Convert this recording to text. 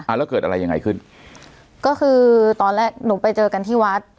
แล้วเกิดอะไรยังไงขึ้นก็คือตอนแรกหนูไปเจอกันที่วัด